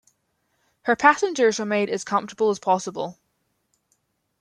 Her passengers were made as comfortable as possible.